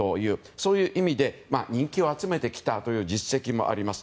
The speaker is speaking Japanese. そういう意味で人気を集めてきたという実績もあります。